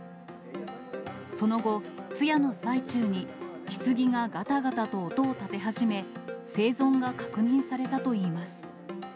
その後、通夜の最中に、ひつぎががたがたと音を立て始め、生存が確認されたといいます。